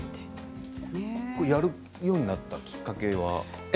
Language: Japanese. やるようになったきっかけは？